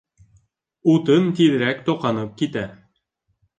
Утын тиҙерәк тоҡанып китә